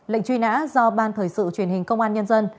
lệnh truy nã do ban thời sự truyền hình công an nhân dân